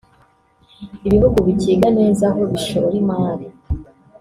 ibihugu bikiga neza aho bishora imari